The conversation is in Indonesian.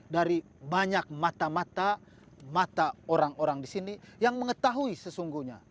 dari banyak mata mata mata orang orang di sini yang mengetahui sesungguhnya